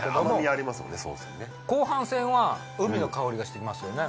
後半戦は海の香りがしてきますよね